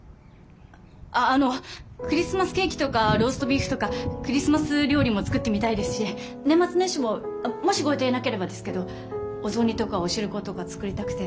ああのクリスマスケーキとかローストビーフとかクリスマス料理も作ってみたいですし年末年始ももしご予定なければですけどお雑煮とかおしることか作りたくて。